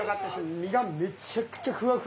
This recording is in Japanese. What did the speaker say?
身がめちゃくちゃふわふわですよね。